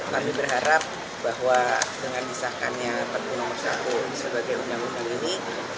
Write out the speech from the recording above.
kami berharap bahwa dengan disahkannya perpu nomor satu sebagai undang undang ini